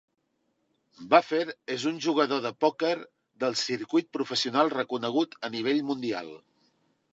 Buffer és un jugador de pòquer del circuit professional reconegut a nivell mundial.